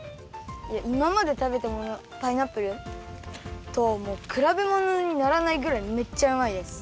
いままでたべたパイナップルとくらべものにならないぐらいめっちゃうまいです！